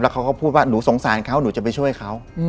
เขาก็พูดว่าหนูสงสารเขาหนูจะไปช่วยเขา